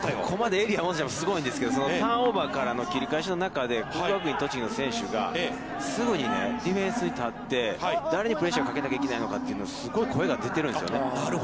ここまでエリア戻すのもすごいんですけど、ターンオーバーからの切り返しの中で、国学院栃木の選手がすぐにディフェンスに立って、誰にプレッシャーをかけなきゃいけないのかというすごい声が出ているんですよね。